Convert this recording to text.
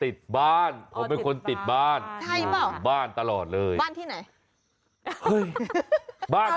ติดบ้านผมเป็นคนติดบ้านใช่เปล่าบ้านตลอดเลยบ้านที่ไหนบ้าน